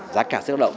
giá cả xếp động